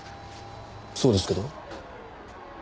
そうですけど？